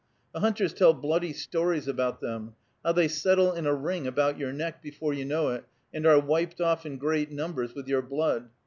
The hunters tell bloody stories about them, how they settle in a ring about your neck, before you know it, and are wiped off in great numbers with your blood.